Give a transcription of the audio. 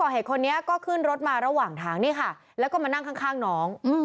เหตุคนนี้ก็ขึ้นรถมาระหว่างทางนี่ค่ะแล้วก็มานั่งข้างน้อง